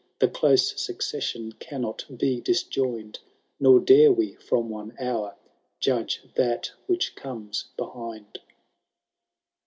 The dose succession cannot be disjoined, Kor dare we, from one hour, judge that which comes behind.